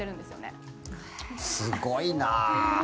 すごいな。